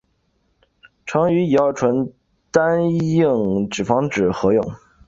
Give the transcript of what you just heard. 常与乙二醇单硬脂酸酯合用。